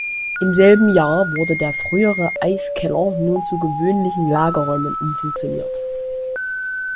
Im selben Jahr wurde der frühere Eiskeller nun zu gewöhnlichen Lagerräumen umfunktioniert.